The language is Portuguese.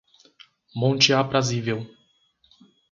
Monte Aprazível